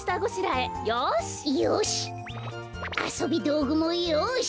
あそびどうぐもよし！